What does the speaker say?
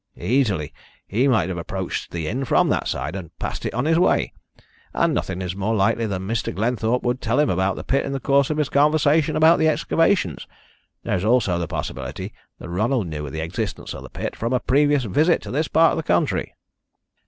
"Easily. He might have approached the inn from that side, and passed it on his way. And nothing is more likely than Mr. Glenthorpe would tell him about the pit in the course of his conversation about the excavations. There is also the possibility that Ronald knew of the existence of the pit from a previous visit to this part of the country."